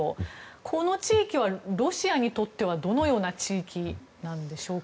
この地域は、ロシアにとってはどのような地域なんでしょうか。